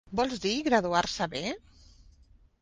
Vols dir graduar-se bé?